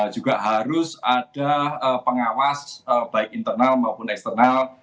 juga harus ada pengawas baik internal maupun eksternal